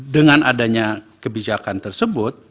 dengan adanya kebijakan tersebut